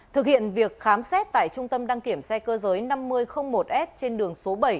thực hiện việc khám xét tại trung tâm đăng kiểm xe cơ giới năm mươi một s trên đường số bảy